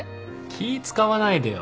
気ぃ使わないでよ。